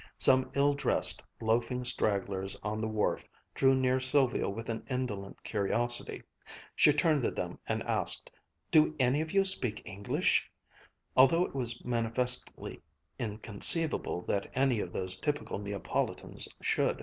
Some ill dressed, loafing stragglers on the wharf drew near Sylvia with an indolent curiosity. She turned to them and asked, "Do any of you speak English?" although it was manifestly inconceivable that any of those typical Neapolitans should.